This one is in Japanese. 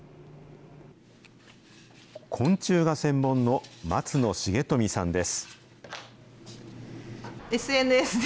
昆虫が専門の松野茂富さんです。